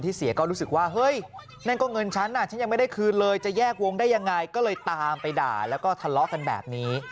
ท้าทายกันอย่างที่เห็นอ้าวรำแบบนี้